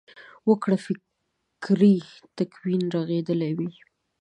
وګړو فکري تکوین رغېدلی وي.